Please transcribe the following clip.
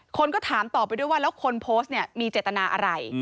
คนก็ถามต่อไปด้วยว่าแล้วคนโพสต์เนี่ยมีเจตนาอะไร